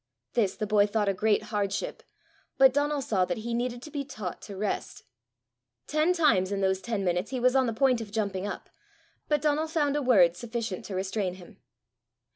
This the boy thought a great hardship, but Donal saw that he needed to be taught to rest. Ten times in those ten minutes he was on the point of jumping up, but Donal found a word sufficient to restrain him.